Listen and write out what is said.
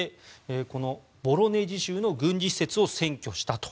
このボロネジ州の軍事施設を占拠したと。